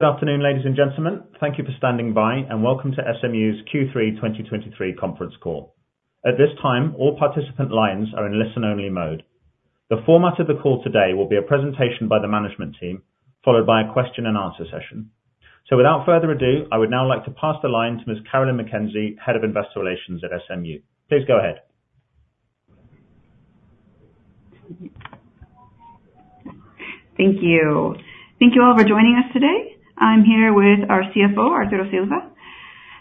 Good afternoon, ladies and gentlemen. Thank you for standing by, and welcome to SMU's Q3 2023 Conference Call. At this time, all participant lines are in listen-only mode. The format of the call today will be a presentation by the management team, followed by a question-and-answer session. Without further ado, I would now like to pass the line to Ms. Carolyn McKenzie, Head of Investor Relations at SMU. Please go ahead. Thank you. Thank you all for joining us today. I'm here with our CFO, Arturo Silva.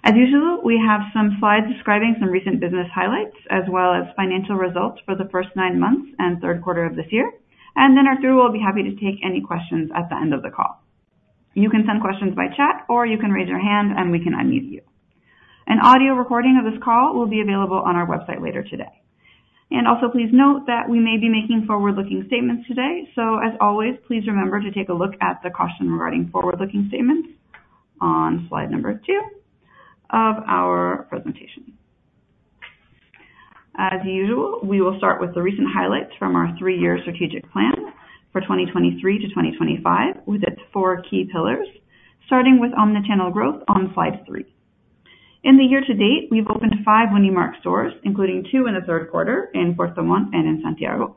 As usual, we have some slides describing some recent business highlights as well as financial results for the first nine months and third quarter of this year. Arturo will be happy to take any questions at the end of the call. You can send questions by chat or you can raise your hand and we can unmute you. An audio recording of this call will be available on our website later today. Please note that we may be making forward-looking statements today. As always, please remember to take a look at the caution regarding forward-looking statements on slide number two of our presentation. As usual, we will start with the recent highlights from our three-year strategic plan for 2023-2025, with its four key pillars, starting with omni-channel growth on slide three. In the year to date, we've opened five Unimarc stores, including two in the third quarter in Puerto Montt and in Santiago.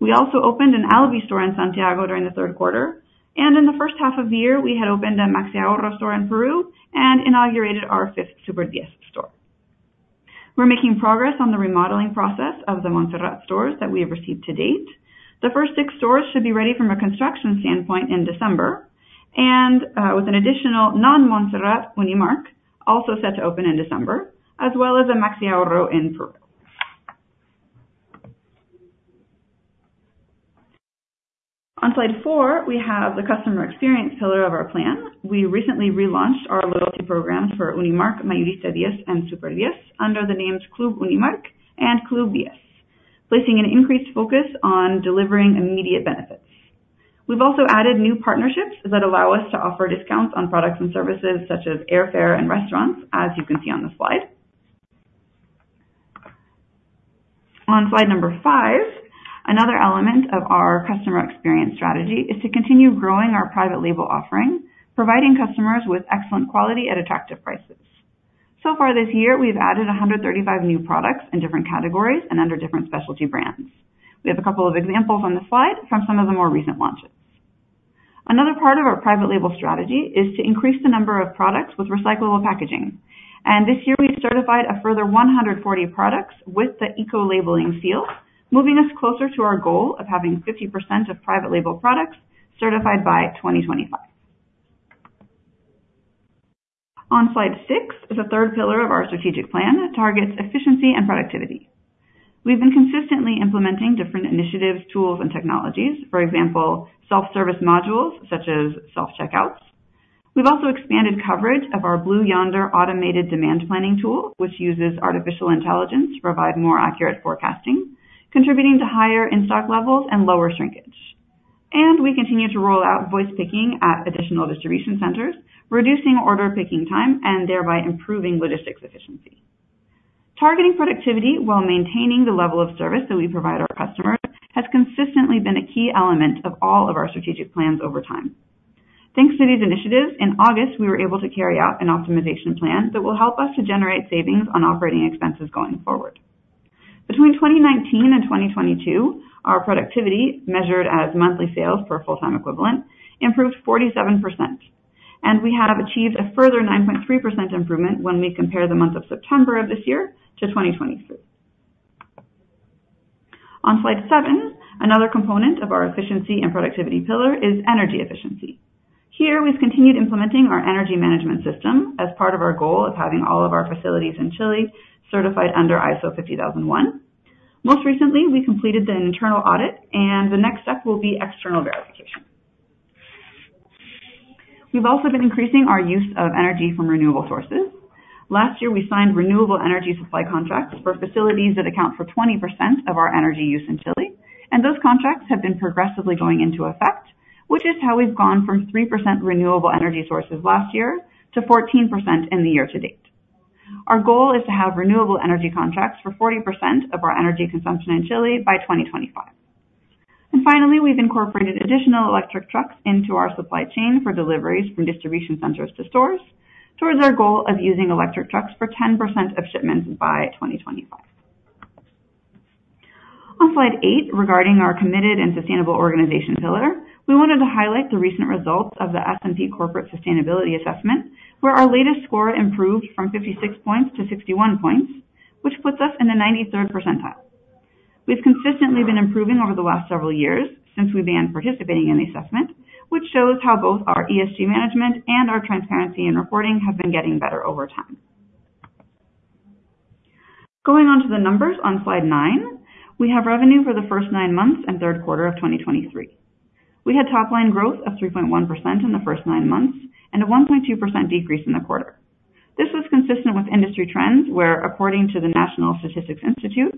We also opened an Alvi store in Santiago during the third quarter, and in the first half of the year, we had opened a MaxiAhorro store in Peru and inaugurated our fifth Super 10 store. We're making progress on the remodeling process of the Montserrat stores that we have received to date. The first six stores should be ready from a construction standpoint in December, and with an additional non-Montserrat Unimarc also set to open in December, as well as a MaxiAhorro in Peru. On slide four, we have the customer experience pillar of our plan. We recently relaunched our loyalty programs for Unimarc, Mayorista 10, and Super 10 under the names Club Unimarc and Club 10, placing an increased focus on delivering immediate benefits. We've also added new partnerships that allow us to offer discounts on products and services such as airfare and restaurants, as you can see on the slide. On slide number five, another element of our customer experience strategy is to continue growing our private label offering, providing customers with excellent quality at attractive prices. So far this year, we've added 135 new products in different categories and under different specialty brands. We have a couple of examples on the slide from some of the more recent launches. Another part of our private label strategy is to increase the number of products with recyclable packaging. This year we certified a further 140 products with the ecolabeling seal, moving us closer to our goal of having 50% of private label products certified by 2025. On slide six is the third pillar of our strategic plan that targets efficiency and productivity. We've been consistently implementing different initiatives, tools and technologies. For example, self-service modules such as self-checkouts. We've also expanded coverage of our Blue Yonder automated demand planning tool, which uses artificial intelligence to provide more accurate forecasting, contributing to higher in-stock levels and lower shrinkage. We continue to roll out voice picking at additional distribution centers, reducing order picking time and thereby improving logistics efficiency. Targeting productivity while maintaining the level of service that we provide our customers has consistently been a key element of all of our strategic plans over time. Thanks to these initiatives, in August, we were able to carry out an optimization plan that will help us to generate savings on operating expenses going forward. Between 2019 and 2022, our productivity, measured as monthly sales per full-time equivalent, improved 47%, and we have achieved a further 9.3% improvement when we compare the month of September of this year to 2022. On slide seven, another component of our efficiency and productivity pillar is energy efficiency. Here we've continued implementing our energy management system as part of our goal of having all of our facilities in Chile certified under ISO 50001. Most recently, we completed the internal audit and the next step will be external verification. We've also been increasing our use of energy from renewable sources. Last year, we signed renewable energy supply contracts for facilities that account for 20% of our energy use in Chile, and those contracts have been progressively going into effect, which is how we've gone from 3% renewable energy sources last year to 14% in the year-to-date. Our goal is to have renewable energy contracts for 40% of our energy consumption in Chile by 2025. Finally, we've incorporated additional electric trucks into our supply chain for deliveries from distribution centers to stores towards our goal of using electric trucks for 10% of shipments by 2025. On slide eight, regarding our committed and sustainable organization pillar, we wanted to highlight the recent results of the S&P Corporate Sustainability Assessment, where our latest score improved from 56 points to 61 points, which puts us in the 93rd percentile. We've consistently been improving over the last several years since we began participating in the assessment, which shows how both our ESG management and our transparency in reporting have been getting better over time. Going on to the numbers on slide nine, we have revenue for the first nine months and third quarter of 2023. We had top line growth of 3.1% in the first nine months and a 1.2% decrease in the quarter. This was consistent with industry trends where, according to the National Statistics Institute,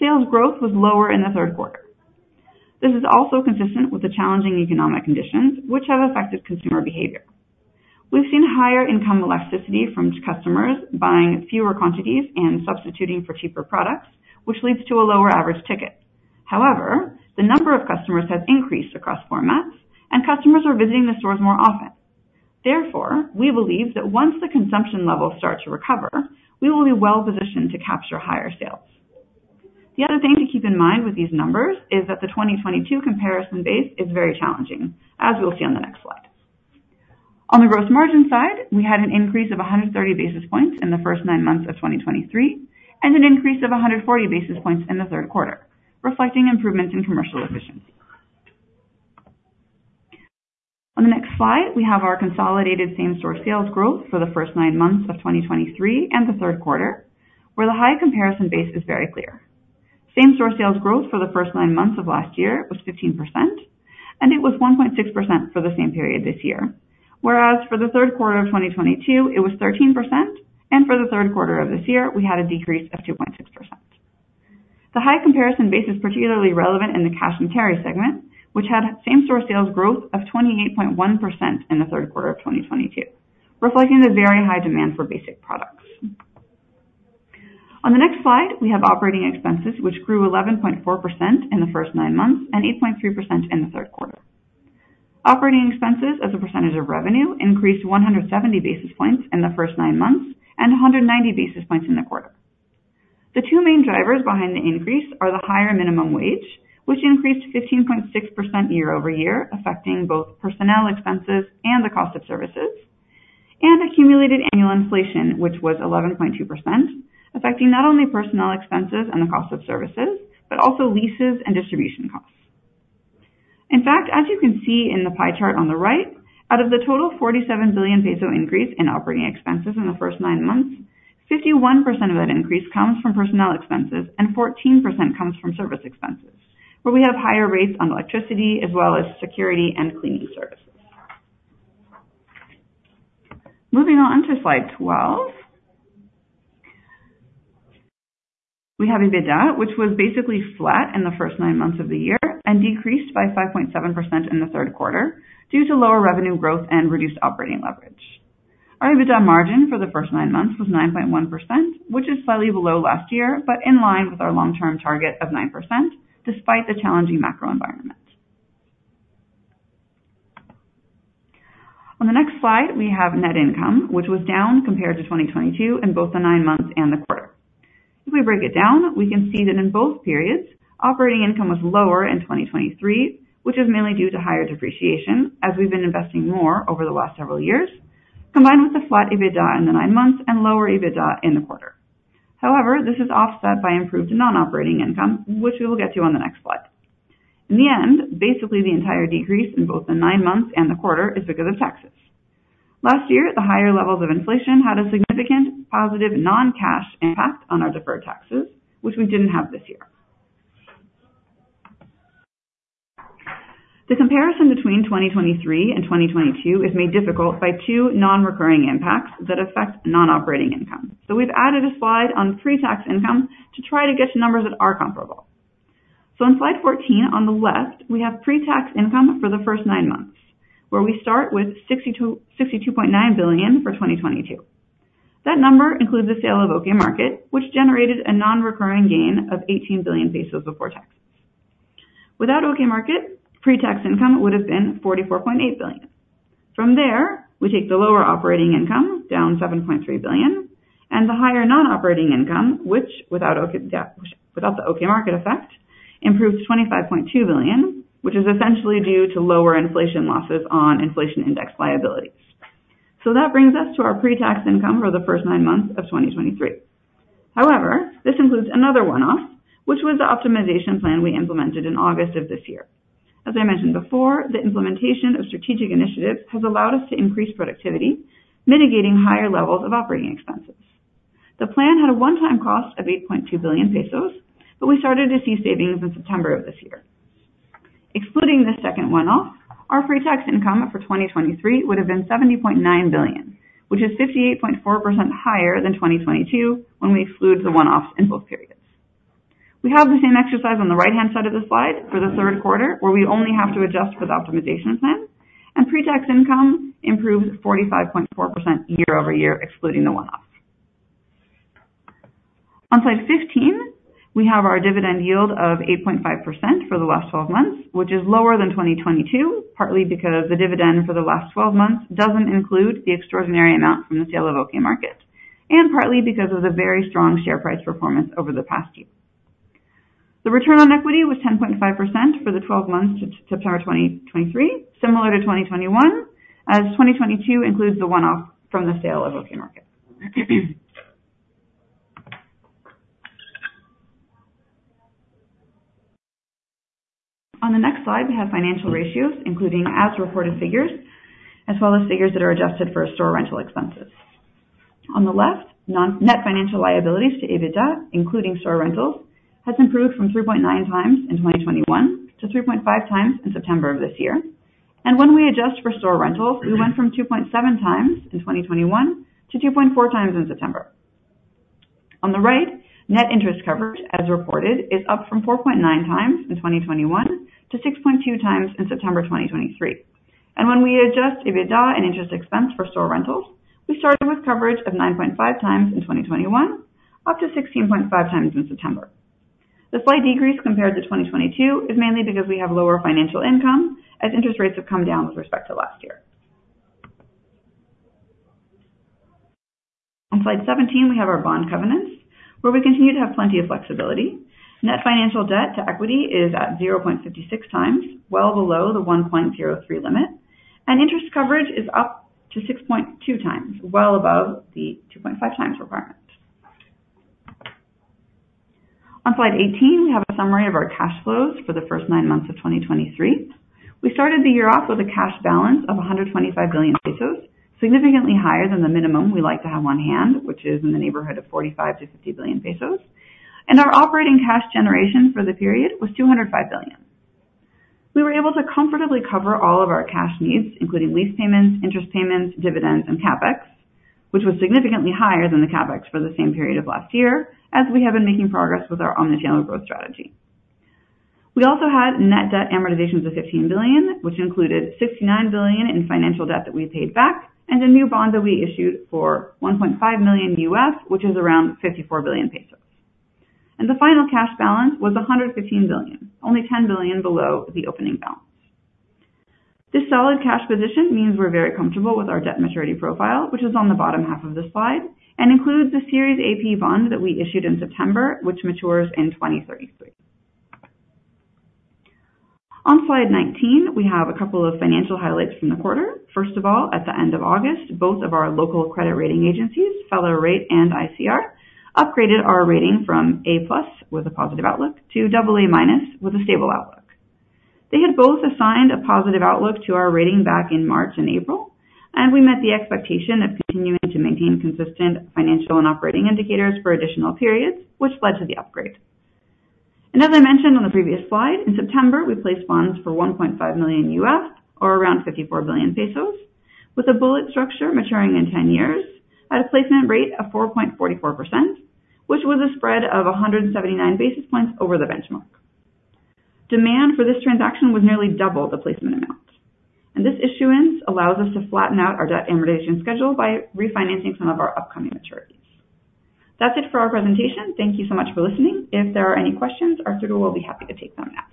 sales growth was lower in the third quarter. This is also consistent with the challenging economic conditions which have affected consumer behavior. We've seen higher income elasticity from customers buying fewer quantities and substituting for cheaper products, which leads to a lower average ticket. However, the number of customers has increased across formats, and customers are visiting the stores more often. Therefore, we believe that once the consumption levels start to recover, we will be well positioned to capture higher sales. The other thing to keep in mind with these numbers is that the 2022 comparison base is very challenging, as we will see on the next slide. On the gross margin side, we had an increase of 130 basis points in the first nine months of 2023 and an increase of 140 basis points in the third quarter, reflecting improvements in commercial efficiency. On the next slide, we have our consolidated same-store sales growth for the first nine months of 2023 and the third quarter, where the high comparison base is very clear. Same-store sales growth for the first nine months of last year was 15%, and it was 1.6% for the same period this year. Whereas for the third quarter of 2022 it was 13%, and for the third quarter of this year we had a decrease of 2.6%. The high comparison base is particularly relevant in the cash and carry segment, which had same-store sales growth of 28.1% in the third quarter of 2022, reflecting the very high demand for basic products. On the next slide, we have operating expenses, which grew 11.4% in the first nine months and 8.3% in the third quarter. Operating expenses as a percentage of revenue increased 170 basis points in the first nine months and 190 basis points in the quarter. The two main drivers behind the increase are the higher minimum wage, which increased 15.6% year-over-year, affecting both personnel expenses and the cost of services, and accumulated annual inflation, which was 11.2%, affecting not only personnel expenses and the cost of services, but also leases and distribution costs. In fact, as you can see in the pie chart on the right, out of the total 47 billion peso increase in operating expenses in the first nine months, 51% of that increase comes from personnel expenses and 14% comes from service expenses, where we have higher rates on electricity as well as security and cleaning services. Moving on to slide 12. We have EBITDA, which was basically flat in the first nine months of the year and decreased by 5.7% in the third quarter due to lower revenue growth and reduced operating leverage. Our EBITDA margin for the first nine months was 9.1%, which is slightly below last year, but in line with our long-term target of 9% despite the challenging macro environment. On the next slide, we have net income, which was down compared to 2022 in both the nine months and the quarter. If we break it down, we can see that in both periods, operating income was lower in 2023, which is mainly due to higher depreciation as we've been investing more over the last several years, combined with the flat EBITDA in the nine months and lower EBITDA in the quarter. However, this is offset by improved non-operating income, which we will get to on the next slide. In the end, basically, the entire decrease in both the nine months and the quarter is because of taxes. Last year, the higher levels of inflation had a significant positive non-cash impact on our deferred taxes, which we didn't have this year. The comparison between 2023 and 2022 is made difficult by two non-recurring impacts that affect non-operating income. We've added a slide on pre-tax income to try to get to numbers that are comparable. In slide 14 on the left, we have pre-tax income for the first nine months, where we start with 62.9 billion for 2022. That number includes the sale of OK Market, which generated a non-recurring gain of 18 billion pesos before tax. Without OK Market, pre-tax income would have been 44.8 billion. From there, we take the lower operating income down 7.3 billion, and the higher non-operating income, which without the OK Market effect, improves 25.2 billion, which is essentially due to lower inflation losses on inflation index liabilities. That brings us to our pre-tax income for the first nine months of 2023. However, this includes another one-off, which was the optimization plan we implemented in August of this year. As I mentioned before, the implementation of strategic initiatives has allowed us to increase productivity, mitigating higher levels of operating expenses. The plan had a one-time cost of 8.2 billion pesos, but we started to see savings in September of this year. Excluding the second one-off, our pre-tax income for 2023 would have been 70.9 billion, which is 58.4% higher than 2022 when we exclude the one-offs in both periods. We have the same exercise on the right-hand side of the slide for the third quarter, where we only have to adjust for the optimization plan, and pre-tax income improves 45.4% year-over-year, excluding the one-off. On slide 15, we have our dividend yield of 8.5% for the last12 months, which is lower than 2022, partly because the dividend for the last 12 months doesn't include the extraordinary amount from the sale of OK Market, and partly because of the very strong share price performance over the past year. The return on equity was 10.5% for the twelve months to September 2023, similar to 2021 as 2022 includes the one-off from the sale of OK Market. On the next slide, we have financial ratios, including as reported figures, as well as figures that are adjusted for store rental expenses. On the left, net financial liabilities to EBITDA, including store rentals, has improved from 3.9x in 2021 to 3.5x in September of this year. When we adjust for store rentals, we went from 2.7x in 2021 to 2.4x in September. On the right, net interest coverage, as reported, is up from 4.9x in 2021 to 6.2x in September 2023. When we adjust EBITDA and interest expense for store rentals, we started with coverage of 9.5x in 2021, up to 16.5x in September. The slight decrease compared to 2022 is mainly because we have lower financial income as interest rates have come down with respect to last year. On slide 17, we have our bond covenants, where we continue to have plenty of flexibility. Net financial debt to equity is at 0.56x, well below the 1.03 limit, and interest coverage is up to 6.2x, well above the 2.5x requirement. On slide 18, we have a summary of our cash flows for the first nine months of 2023. We started the year off with a cash balance of 125 billion pesos, significantly higher than the minimum we like to have on hand, which is in the neighborhood of 45 billion-50 billion pesos. Our operating cash generation for the period was 205 billion. We were able to comfortably cover all of our cash needs, including lease payments, interest payments, dividends, and CapEx, which was significantly higher than the CapEx for the same period of last year, as we have been making progress with our omnichannel growth strategy. We also had net debt amortizations of 15 billion, which included 69 billion in financial debt that we paid back, and a new bond that we issued for $1.5 million, which is around 54 billion pesos. The final cash balance was 115 billion, only 10 billion below the opening balance. This solid cash position means we're very comfortable with our debt maturity profile, which is on the bottom half of the slide and includes the Series AP bond that we issued in September, which matures in 2033. On slide 19, we have a couple of financial highlights from the quarter. First of all, at the end of August, both of our local credit rating agencies, Feller Rate and ICR, upgraded our rating from A+ with a positive outlook to AA- with a stable outlook. They had both assigned a positive outlook to our rating back in March and April, and we met the expectation of continuing to maintain consistent financial and operating indicators for additional periods, which led to the upgrade. As I mentioned on the previous slide, in September, we placed bonds for $1.5 million or around 54 billion pesos with a bullet structure maturing in 10 years at a placement rate of 4.44%, which was a spread of 179 basis points over the benchmark. Demand for this transaction was nearly double the placement amount. This issuance allows us to flatten out our debt amortization schedule by refinancing some of our upcoming maturities. That's it for our presentation. Thank you so much for listening. If there are any questions, Arturo will be happy to take them now.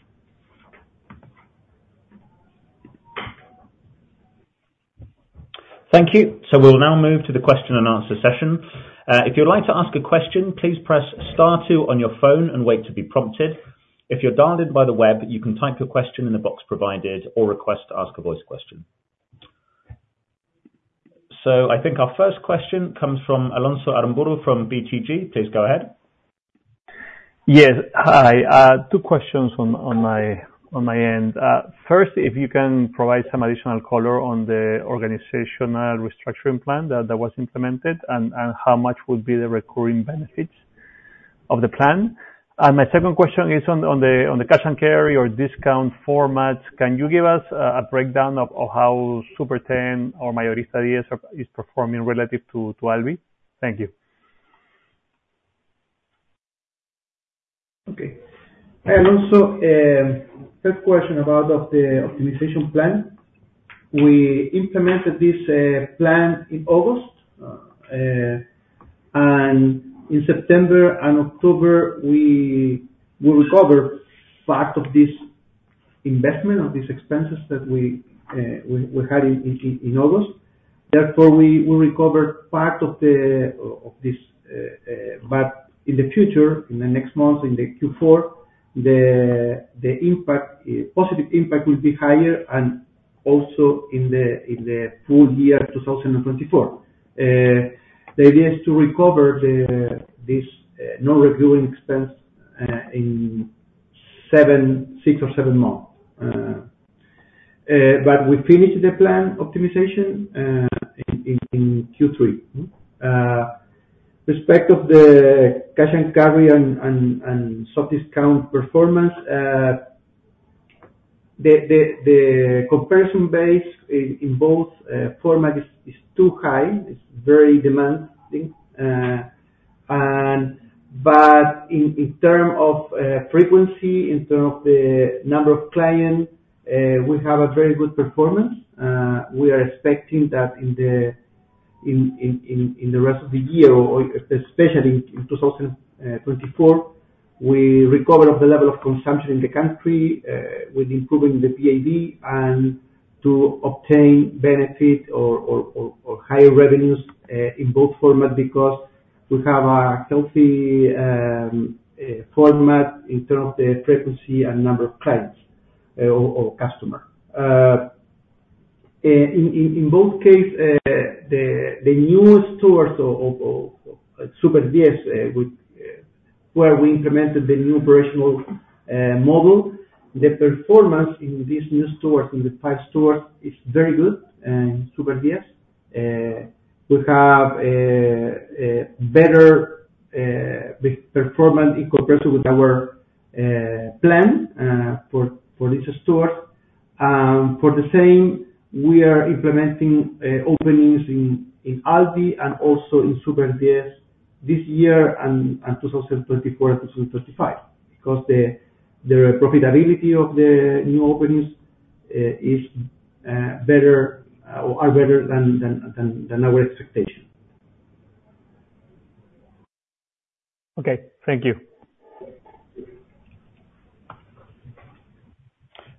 Thank you. We'll now move to the question and answer session. If you'd like to ask a question, please press star two on your phone and wait to be prompted. If you're dialed in by the web, you can type your question in the box provided or request to ask a voice question. I think our first question comes from Alonso Aramburu from BTG. Please go ahead. Yes. Hi. Two questions on my end. First, if you can provide some additional color on the organizational restructuring plan that was implemented and how much would be the recurring benefits of the plan. My second question is on the cash and carry or discount formats. Can you give us a breakdown of how Super 10 or Mayorista 10 is performing relative to Alvi? Thank you. Okay, first question about the optimization plan. We implemented this plan in August. In September and October, we will recover part of this investment of these expenses that we had in August. Therefore, we will recover part of this. In the future, in the next month, in Q4, the positive impact will be higher and also in the full year of 2024. The idea is to recover this non-recurring expense in six or seven months. We finished the plan optimization in Q3. With respect to the cash and carry and hard discount performance, the comparison base in both formats is too high. It's very demanding. In terms of frequency, in terms of the number of clients, we have a very good performance. We are expecting that in the rest of the year or especially in 2024, we recover the level of consumption in the country with improving the GDP and to obtain benefit or higher revenues in both format because we have a healthy format in terms of the frequency and number of clients or customer. In both cases, the new stores of Super 10 where we implemented the new operational model, the performance in these new stores in the five stores is very good in Super 10. We have a better performance in comparison with our plan for each store. For the same, we are implementing openings in Alvi and also in Super 10 this year and 2024, 2025, because the profitability of the new openings is better or are better than our expectation. Okay. Thank you.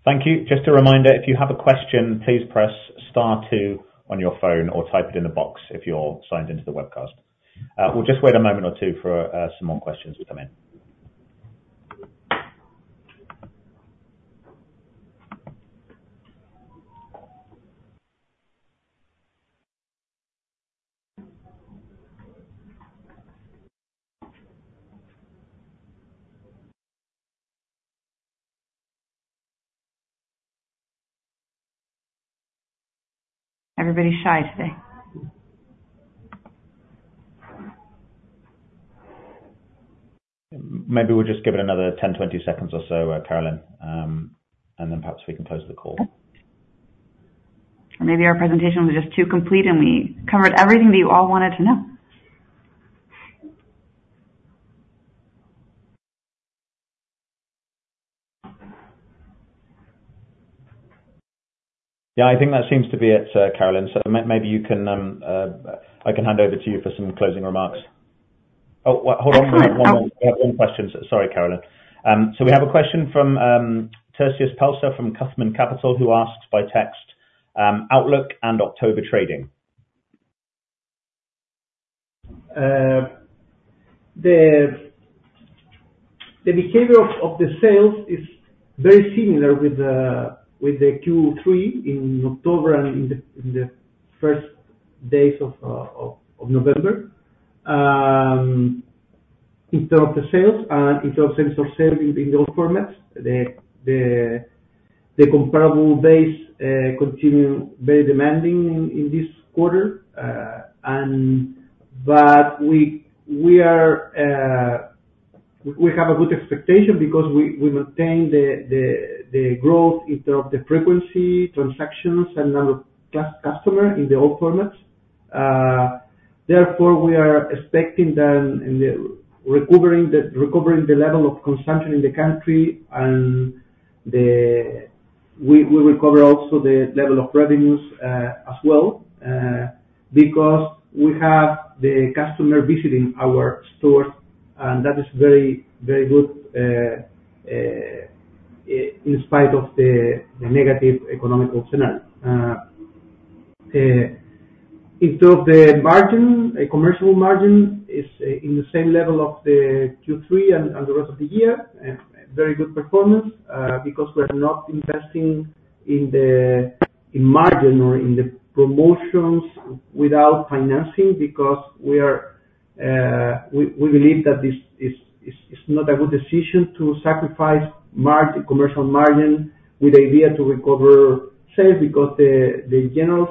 Thank you. Just a reminder, if you have a question, please press star two on your phone or type it in the box if you're signed into the webcast. We'll just wait a moment or two for some more questions to come in. Everybody's shy today. Maybe we'll just give it another 10, 20 seconds or so, Carolyn, and then perhaps we can close the call. Maybe our presentation was just too complete and we covered everything that you all wanted to know. Yeah. I think that seems to be it, Carolyn. I can hand over to you for some closing remarks. Oh, well, hold on. We have one more. We have one question. Sorry, Carolyn. We have a question from Tertius Pelser from Cuthman Capital who asked by text, outlook and October trading. The behavior of the sales is very similar with the Q3 in October and in the first days of November. In terms of sales and in terms of same-store sales in those formats, the comparable base continues very demanding in this quarter. We have a good expectation because we maintain the growth in terms of the frequency, transactions and number of customers in all formats. Therefore, we are expecting the recovery of the level of consumption in the country and we recover also the level of revenues as well, because we have the customers visiting our stores, and that is very good in spite of the negative economic scenario. In terms of the margin, a commercial margin is in the same level as Q3 and the rest of the year. Very good performance, because we're not investing in the margin or in the promotions without financing because we believe that this is not a good decision to sacrifice commercial margin with the idea to recover sales because the general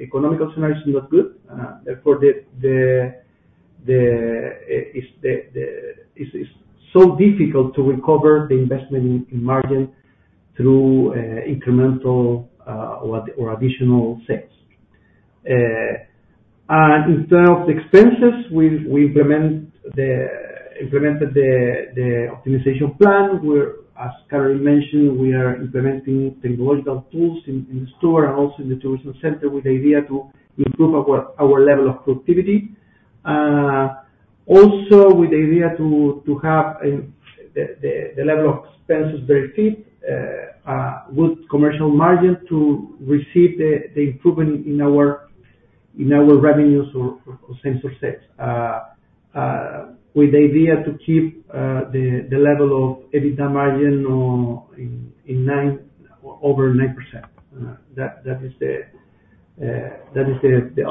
economic scenario is not good. Therefore, it is so difficult to recover the investment in margin through incremental or additional sales. In terms of expenses, we've implemented the optimization plan where, as Carolyn mentioned, we are implementing technological tools in the store and also in the distribution center with the idea to improve our level of productivity. Also with the idea to have the level of expenses very fit with commercial margin to receive the improvement in our revenues or same-store sales. With the idea to keep the level of EBITDA margin at 9% or over 9%. That is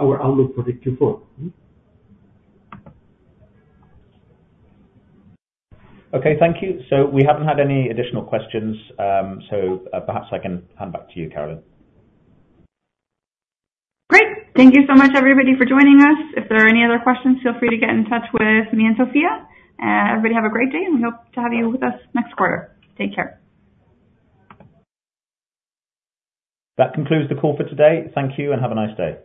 our outlook for the Q4. Okay. Thank you. We haven't had any additional questions. Perhaps I can hand back to you, Carolyn. Great. Thank you so much everybody for joining us. If there are any other questions, feel free to get in touch with me and Sofía. Everybody have a great day, and we hope to have you with us next quarter. Take care. That concludes the call for today. Thank you, and have a nice day.